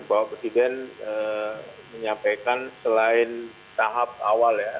bapak presiden menyampaikan selain tahap awal ya